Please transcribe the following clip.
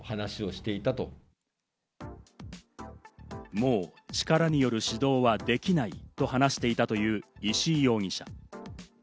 もう力による指導はできないと話していたという石井容疑者。